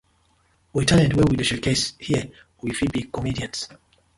With talent wey we dey show case here we fit be comedians.